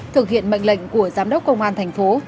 thực hiện mệnh lệnh của giám đốc công an thành phố